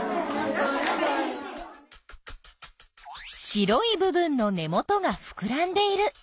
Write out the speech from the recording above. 白い部分の根元がふくらんでいる。